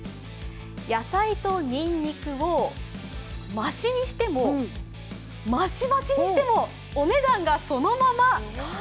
野菜とにんにくをましにしてもましましにしてもお値段がそのまま！